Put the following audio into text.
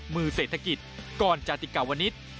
มือเศรษฐกิจกรจติกาวนิษฐ์